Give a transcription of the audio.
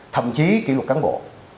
thậm chí kỷ luật cán bộ